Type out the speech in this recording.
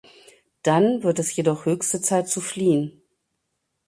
Dann wird es jedoch höchste Zeit zu fliehen.